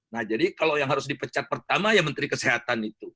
nah jadi kalau yang harus dipecat pertama ya menteri kesehatan itu